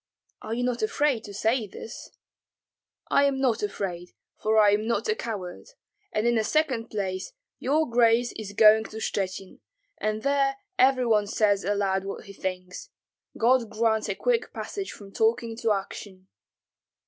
"Are you not afraid to say this?" "I am not afraid, for I am not a coward, and in the second place your grace is going to Shchuchyn, and there every one says aloud what he thinks. God grant a quick passage from talking to action."